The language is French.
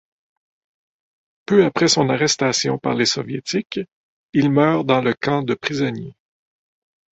Peu après son arrestation par les Soviétiques, il meurt dans le camp de prisonniers.